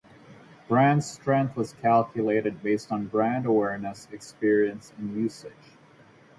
Brand strength was calculated based on brand awareness, experience and usage.